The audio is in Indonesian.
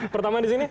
pertama di sini